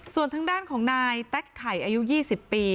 ส่วนทางด้านของนายด์แตคขายอายุ๒๐ปี